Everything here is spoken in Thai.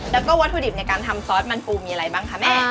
แล้วก็วัตถุดิบในการทำซอสมันปูมีอะไรบ้างคะแม่